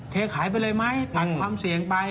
ขายไปเลยไหมตัดความเสี่ยงไป